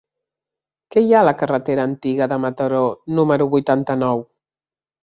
Què hi ha a la carretera Antiga de Mataró número vuitanta-nou?